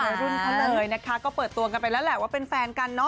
วัยรุ่นเขาเลยนะคะก็เปิดตัวกันไปแล้วแหละว่าเป็นแฟนกันเนอ